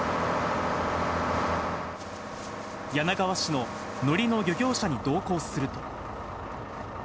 柳川市ののりの漁業者に同行すると。